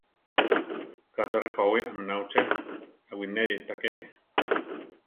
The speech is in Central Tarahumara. Ka cha rejówi aminá uché; aʼwineri ta keke.